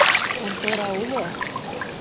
Контора уло!